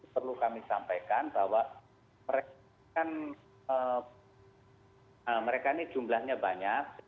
perlu kami sampaikan bahwa mereka ini jumlahnya banyak